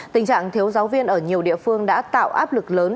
tình trạng thiếu giáo viên ở nhiều địa phương đã tạo áp lực lớn